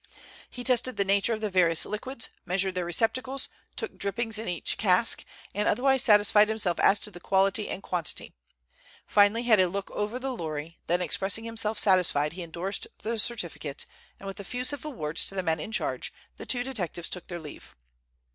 He tested the nature of the various liquids, measured their receptacles, took drippings in each cask, and otherwise satisfied himself as to the quality and quantity. Finally he had a look over the lorry, then expressing himself satisfied, he endorsed the certificate, and with a few civil words to the men in charge, the two detectives took their leave.